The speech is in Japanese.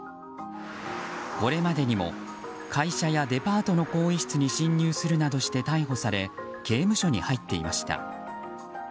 これまでにも会社やデパートの更衣室に侵入するなどして逮捕され刑務所に入っていました。